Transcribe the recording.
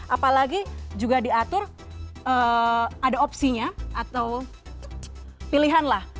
apalagi juga diatur ada opsinya atau pilihan lah